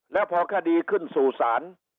และพอคดีขึ้นสู่สาร